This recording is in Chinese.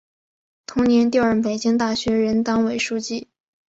同年调任北京大学任党委书记。